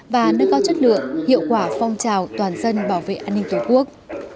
và nâng cao chất lượng hiệu quả phong trào toàn dân bảo vệ an ninh tổ quốc